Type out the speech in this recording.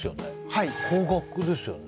はい高額ですよね